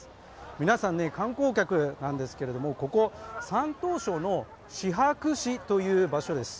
皆さん、観光客なんですけれども、ここ、山東省のシ博市という場所です。